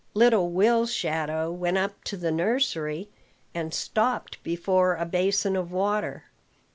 Little Will's shadow went up to the nursery, and stopped before a basin of water.